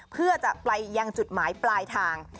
เพื่อจะไปยังจุดหมายปลายทาง